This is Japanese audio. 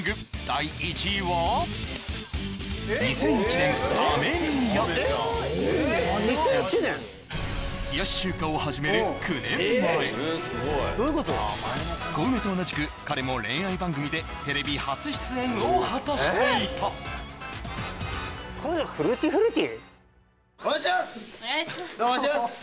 第１位はコウメと同じく彼も恋愛番組でテレビ初出演を果たしていたお願いします！